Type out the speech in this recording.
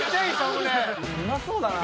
うまそうだな。